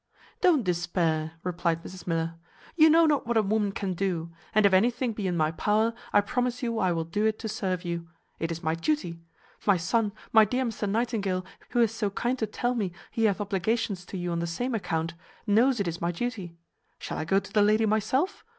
"Don't despair," replied Mrs Miller; "you know not what a woman can do; and if anything be in my power, I promise you I will do it to serve you. It is my duty. My son, my dear Mr Nightingale, who is so kind to tell me he hath obligations to you on the same account, knows it is my duty. Shall I go to the lady myself?